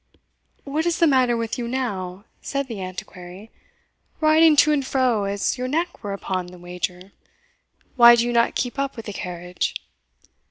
"What is the matter with you now?" said the Antiquary, "riding to and fro as your neck were upon the wager why do you not keep up with the carriage?"